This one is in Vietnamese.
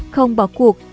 không bỏ cuộc